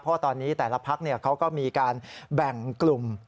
เพราะตอนนี้แต่ละพักเขาก็มีการแบ่งกลุ่ม